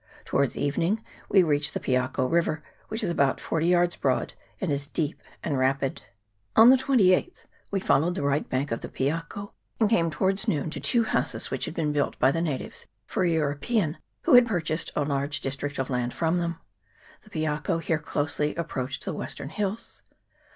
Towards evening we reached the Piako river, which is about forty yards broad, and is deep and rapid. On the 28th we followed the right bank of the Piako, and came towards noon to two houses which had been built by the natives for a European who had purchased a large district of land from them. The Piako here closely approached the western hills.